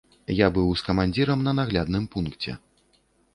Я быў з камандзірам на наглядным пункце.